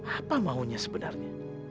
apa maunya sebenarnya